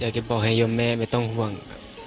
อยากจะบอกว่าให้ยอมแม่ไม่ต้องห่วง